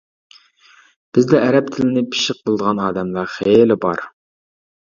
بىزدە ئەرەب تىلىنى پىششىق بىلىدىغان ئادەملەر خېلى بار.